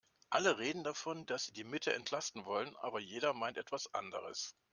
Alle reden davon, dass sie die Mitte entlasten wollen, aber jeder meint etwas anderes.